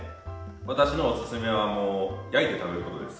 私のおすすめはもう焼いて食べることです。